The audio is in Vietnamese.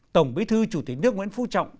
tổng bí thư chủ tịch nước nguyễn phú trọng